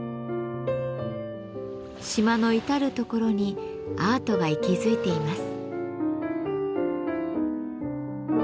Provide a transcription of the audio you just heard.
島の至る所にアートが息づいています。